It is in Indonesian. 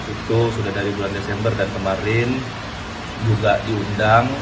itu sudah dari bulan desember dan kemarin juga diundang